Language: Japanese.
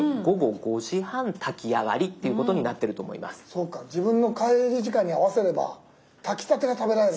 そうか自分の帰り時間に合わせれば炊きたてが食べられる。